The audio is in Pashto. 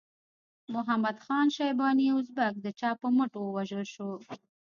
محمد خان شیباني ازبک د چا په مټ ووژل شو؟